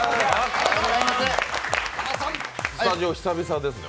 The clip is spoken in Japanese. スタジオ、久々ですね